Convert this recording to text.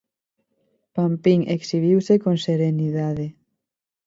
Pampín exhibiuse con serenidade.